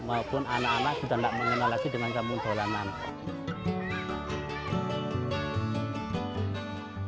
maupun anak anak sudah tidak mengenalasi dengan kampung dolanan